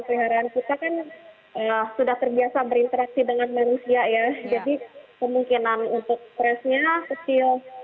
pria pria sudah terbiasa berinteraksi dengan manusia ya jadi kemungkinan untuk resmi kecil